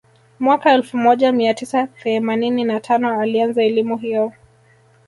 mwaka elfu moja mia tisa theemanini na tano alianza elimu hiyo